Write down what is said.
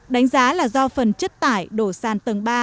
đánh giá là do phần chất thải đổ sàn tầng ba